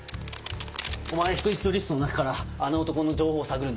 お前は人質のリストの中からあの男の情報を探るんだ。